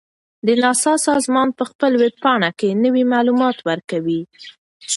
د ناسا سازمان په خپل ویب پاڼه کې نوي معلومات ورکوي.